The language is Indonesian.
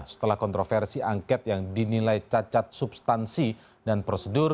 setelah kontroversi angket yang dinilai cacat substansi dan prosedur